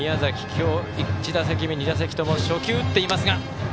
今日、１、２打席とも初球打っています。